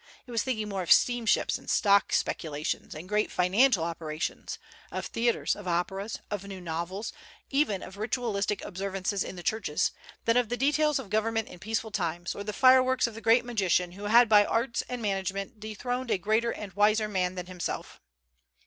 It was thinking more of steamships and stock speculations and great financial operations, of theatres, of operas, of new novels, even of ritualistic observances in the churches, than of the details of government in peaceful times, or the fireworks of the great magician who had by arts and management dethroned a greater and wiser man than himself.